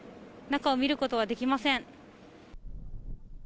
中を見ることはできません。